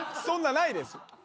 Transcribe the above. そんなないです